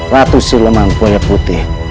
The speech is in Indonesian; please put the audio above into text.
ratu sileman buaya putih